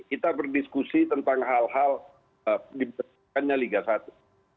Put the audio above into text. kita berdiskusi tentang hal hal di perkembangannya liga satu